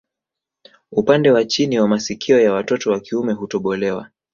Upande wa chini wa masikio ya watoto wa kiume hutobolewa